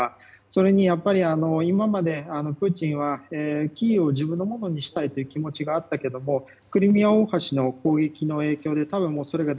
それに、今までプーチンはキーウを自分のものにしたいという気持ちがあったけどもクリミア大橋の攻撃の影響で多分もうそれが